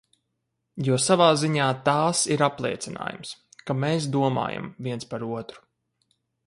Jo savā ziņā tās ir apliecinājums, ka mēs domājam viens par otru.